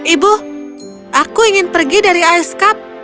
ibu aku ingin pergi dari ice cup